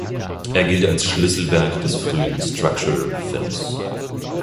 Er gilt als Schlüsselwerk des frühen "Structural films".